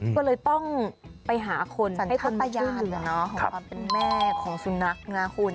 ก็เลยต้องไปหาคนใช้ทัตยานของความเป็นแม่ของสุนัขนะคุณ